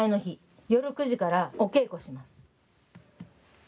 夜９時からお稽古します。